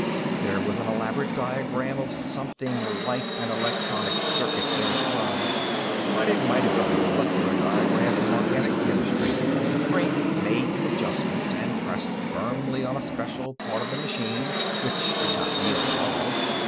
There was an elaborate diagram of something like an electronic circuit inside, but it might have been a molecular diagram from organic chemistry. Brink made an adjustment and pressed firmly on a special part of the machine, which did not yield at all.